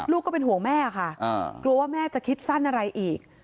ก็เป็นห่วงแม่ค่ะกลัวว่าแม่จะคิดสั้นอะไรอีก